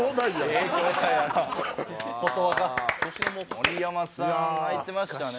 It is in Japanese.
盛山さん泣いてましたね。